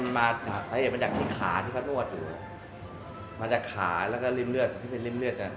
มันมาจากที่ขาที่เขานวดมาจากขาแล้วก็ริ่มเลือดที่เป็นริ่มเลือดเนี่ย